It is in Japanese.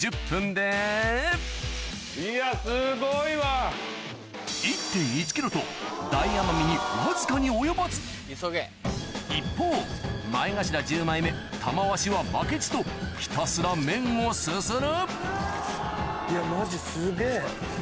いやすごいわ！と大奄美にわずかに及ばず一方前頭十枚目玉鷲は負けじとひたすら麺をすするいやマジすげぇ。